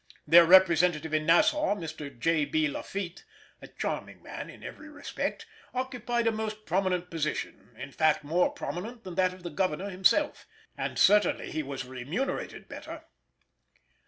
Their representative in Nassau, Mr. J. B. Lafitte, a charming man in every respect, occupied a most prominent position,—in fact more prominent than that of the Governor himself, and certainly he was remunerated better.